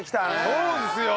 そうですよ。